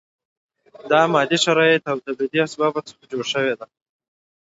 دا د مادي شرایطو او تولیدي اسبابو څخه جوړه ده.